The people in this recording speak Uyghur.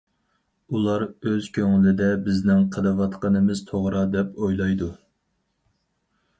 ئۇلار ئۆز كۆڭلىدە بىزنىڭ قىلىۋاتقىنىمىز توغرا دەپ ئويلايدۇ.